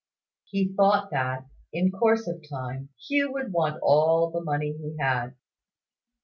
He thought that, in course of time, Hugh would want all the money he had.